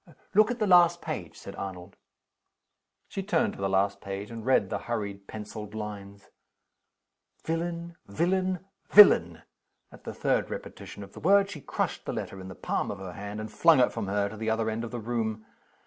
"Look at the last page," said Arnold. She turned to the last page, and read the hurried penciled lines. "Villain! villain! villain!" At the third repetition of the word, she crushed the letter in the palm of her hand, and flung it from her to the other end of the room.